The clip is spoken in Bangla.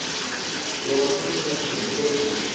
কেউ মাত্রই চেচাচ্ছিলো, কে সে?